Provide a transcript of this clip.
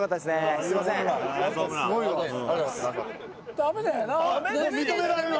ダメだよな？